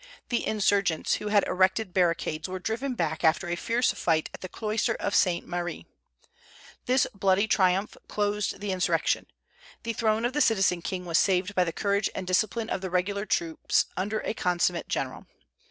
The insurgents, who had erected barricades, were driven back after a fierce fight at the Cloister of St. Méri. This bloody triumph closed the insurrection. The throne of the citizen king was saved by the courage and discipline of the regular troops under a consummate general.